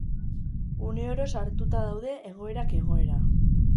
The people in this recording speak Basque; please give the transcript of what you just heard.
Uneoro sartuta daude egoerak egoera.